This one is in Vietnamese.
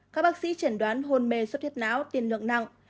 các bác sĩ chẳng đoán hôn mê xuất huyết não tiền lượng nặng